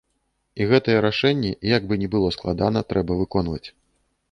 І гэтыя рашэнні, як бы ні было складана, трэба выконваць.